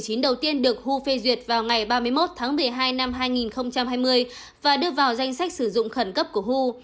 cơ quan đầu tiên được who phê duyệt vào ngày ba mươi một tháng một mươi hai năm hai nghìn hai mươi và đưa vào danh sách sử dụng khẩn cấp của who